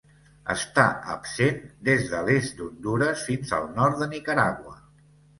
Està absent des de l'est d'Hondures fins al nord de Nicaragua.